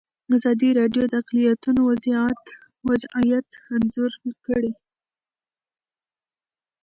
ازادي راډیو د اقلیتونه وضعیت انځور کړی.